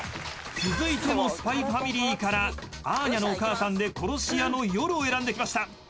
［続いても『ＳＰＹ×ＦＡＭＩＬＹ』からアーニャのお母さんで殺し屋のヨルを選んできました］